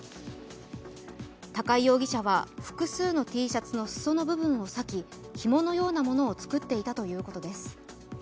高井容疑者は、複数のＴシャツの裾の部分を裂きひものようなものを作っていたということです。